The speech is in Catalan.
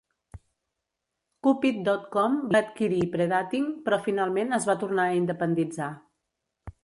Cupid dot com va adquirir Pre-Dating, però finalment es va tornar a independitzar.